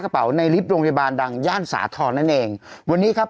ในลิฟต์โรงพยาบาลดังย่านสาธรณ์นั่นเองวันนี้ครับ